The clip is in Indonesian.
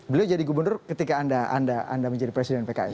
beliau jadi gubernur ketika anda menjadi presiden pks